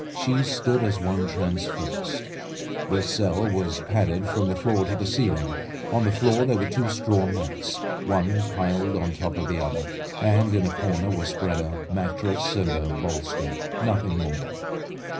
She stood as one transfixed. The cell was padded from the floor to the ceiling. On the floor there were two straw mats, one piled on top of the other; and in a corner were spread a mattress and a bolster, nothing more.